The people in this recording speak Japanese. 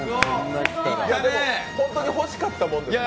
本当に欲しかったものですもんね。